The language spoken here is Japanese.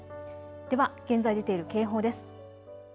では現在出ている警報です。